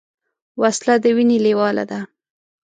وسله د وینې لیواله ده